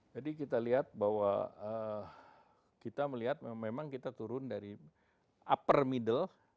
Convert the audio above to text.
jadi kita lihat bahwa kita melihat memang kita turun dari upper middle